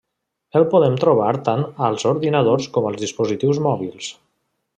El podem trobar tant als ordinadors com als dispositius mòbils.